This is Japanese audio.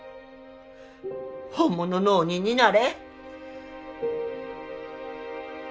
本物の鬼になれ